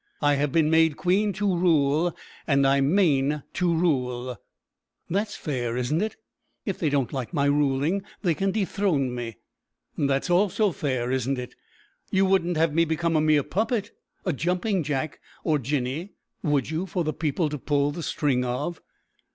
I have been made queen to rule, and I mean to rule! That's fair, isn't it? If they don't like my ruling they can dethrone me. That's also fair, isn't it? You wouldn't have me become a mere puppet a jumping Jack or Jinnie would you, for the people to pull the string of?"